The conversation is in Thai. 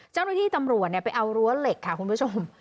เจ้าหน้าที่ตำรวจไปเอารั้วเหล็กค่ะคุณผู้ชม